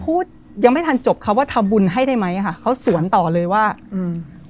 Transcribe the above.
พูดยังไม่ทันจบค่ะว่าทำบุญให้ได้ไหมค่ะเขาสวนต่อเลยว่าอืม